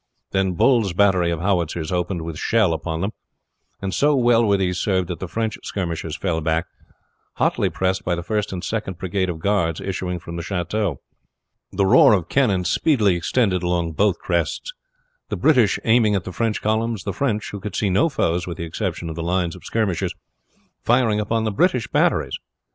Then Bull's battery of howitzers opened with shell upon them; and so well were these served that the French skirmishers fell back, hotly pressed by the First and Second brigade of guards issuing from the chateau. The roar of cannon speedily extended along both crests; the British aiming at the French columns, the French, who could see no foes with the exception of the lines of skirmishers, firing upon the British batteries.